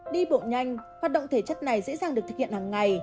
đi bộ nhanh hoạt động thể chất này dễ dàng được thực hiện hàng ngày